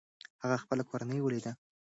هغه خپله کورنۍ وليده.